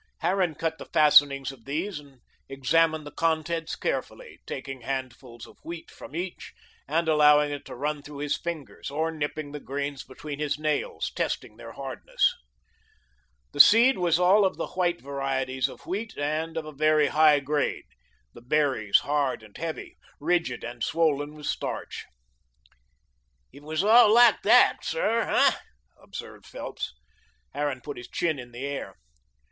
Harran cut the fastenings of these and examined the contents carefully, taking handfuls of wheat from each and allowing it to run through his fingers, or nipping the grains between his nails, testing their hardness. The seed was all of the white varieties of wheat and of a very high grade, the berries hard and heavy, rigid and swollen with starch. "If it was all like that, sir, hey?" observed Phelps. Harran put his chin in the air.